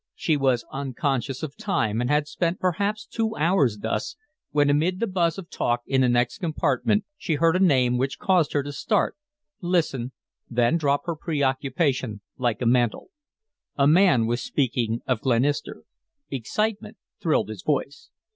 She was unconscious of time, and had spent perhaps two hours thus, when amid the buzz of talk in the next compartment she heard a name which caused her to start, listen, then drop her preoccupation like a mantle. A man was speaking of Glenister. Excitement thrilled his voice.